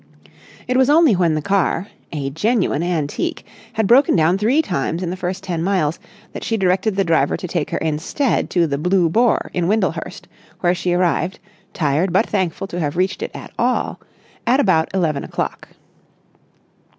It was only when the car, a genuine antique, had broken down three times in the first ten miles, that she directed the driver to take her instead to the "Blue Boar" in Windlehurst, where she arrived, tired but thankful to have reached it at all, at about eleven o'clock.